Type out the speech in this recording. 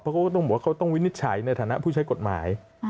เพราะเขาก็ต้องบอกว่าเขาต้องวินิจฉัยในฐานะผู้ใช้กฎหมาย